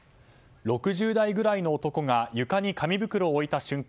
６０代ぐらいの男が床に紙袋を置いた瞬間